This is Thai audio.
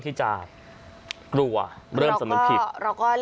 พี่บ้านไม่อยู่ว่าพี่คิดดูด